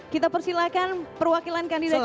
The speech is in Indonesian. kita persilahkan perwakilan kandidat cawapres dua